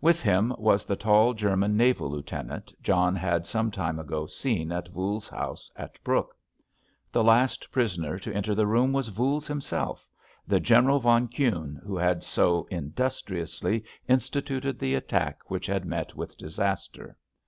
With him was the tall German naval lieutenant John had some time ago seen at Voules's house at Brooke. The last prisoner to enter the room was Voules himself, the General von Kuhne who had so industriously instituted the attack which had met with disaster.